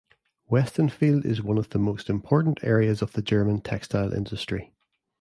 Westenfeld is one of the most important areas of the German textile industry.